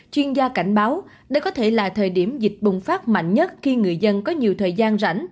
chuyên gia cảnh báo đây có thể là thời điểm dịch bùng phát mạnh nhất khi người dân có nhiều thời gian rảnh